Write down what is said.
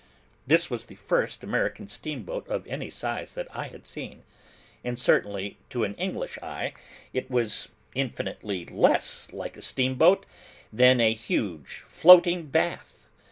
This was the first American steamboat of any size that I had seen; and certainly to an English eye it was infinitely less like a steamboat than a huge floating bath.